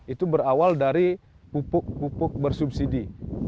itu berawal dari pupuk pupuk bersubsidi